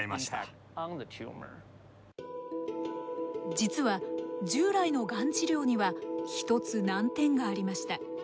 実は従来のがん治療には一つ難点がありました。